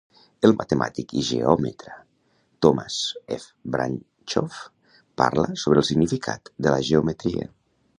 El matemàtic i geòmetra Thomas F Banchoff parla sobre el significat de la geometria